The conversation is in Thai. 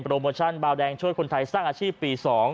โมชั่นบาวแดงช่วยคนไทยสร้างอาชีพปี๒